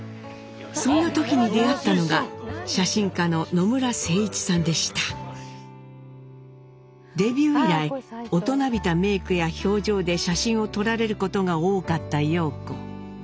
そんな時に出会ったのがデビュー以来大人びたメークや表情で写真を撮られることが多かった陽子。